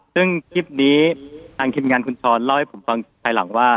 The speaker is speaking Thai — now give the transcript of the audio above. ซึ่งคลิปนี้ทางทีมงานคุณช้อนเล่าให้ผมฟังภายหลังว่า